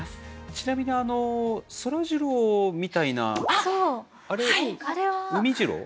ちなみにそらジローみたいなあれうみジロー？